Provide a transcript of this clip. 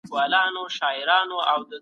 نړۍ ډېره په تېزۍ سره روانه ده.